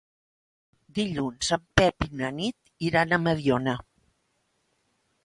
Dilluns en Pep i na Nit iran a Mediona.